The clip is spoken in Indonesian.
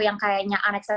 yang kayaknya unacceptable